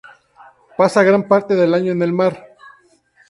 Pasa gran parte del año en el mar.